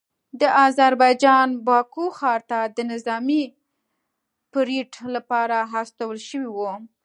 د اذربایجان باکو ښار ته د نظامي پریډ لپاره استول شوي وو